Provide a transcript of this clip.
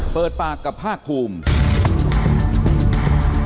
เปิดปากกับภาคภูมิ